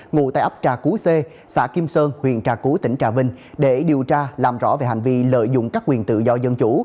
ngụ tại ấp trà cú c xã kim sơn huyện trà cú tỉnh trà vinh để điều tra làm rõ về hành vi lợi dụng các quyền tự do dân chủ